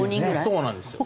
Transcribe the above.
そうなんですよ。